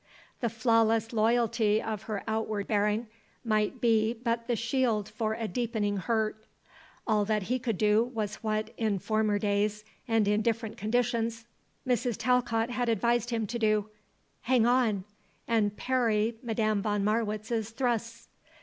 The flawless loyalty of her outward bearing might be but the shield for a deepening hurt. All that he could do was what, in former days and in different conditions, Mrs. Talcott had advised him to do; "hang on," and parry Madame von Marwitz's thrusts.